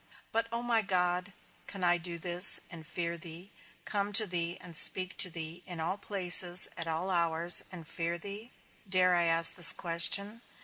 But, O my God, can I do this, and fear thee; come to thee and speak to thee, in all places, at all hours, and fear thee? Dare I ask this question?